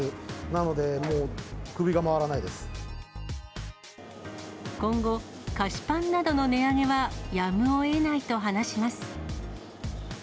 なので、もう首が回今後、菓子パンなどの値上げはやむをえないと話します。